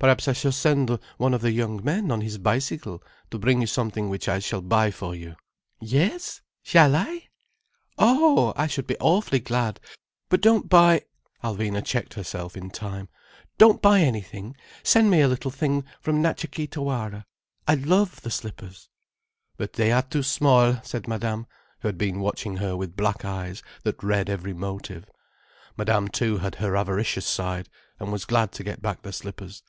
Perhaps I shall send one of the young men on his bicycle, to bring you something which I shall buy for you. Yes? Shall I?" "Oh! I should be awfully glad—but don't buy—" Alvina checked herself in time. "Don't buy anything. Send me a little thing from Natcha Kee Tawara. I love the slippers—" "But they are too small," said Madame, who had been watching her with black eyes that read every motive. Madame too had her avaricious side, and was glad to get back the slippers.